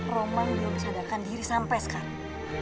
rompong belum sadarkan diri sampai sekarang